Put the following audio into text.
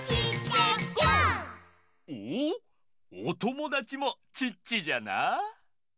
おおおともだちもチッチじゃな。